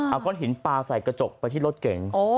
เอาก้อนหินปลาใส่กระจกไปที่รถเก๋ง